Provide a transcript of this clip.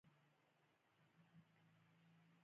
د ایټم مرکزي برخه نیوکلیس نومېږي.